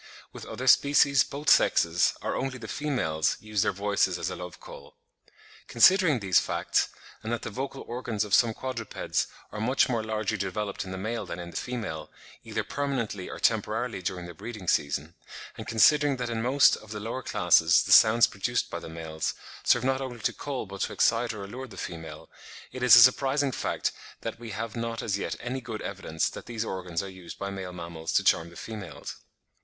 With other species both sexes, or only the females, use their voices as a love call. Considering these facts, and that the vocal organs of some quadrupeds are much more largely developed in the male than in the female, either permanently or temporarily during the breeding season; and considering that in most of the lower classes the sounds produced by the males, serve not only to call but to excite or allure the female, it is a surprising fact that we have not as yet any good evidence that these organs are used by male mammals to charm the females.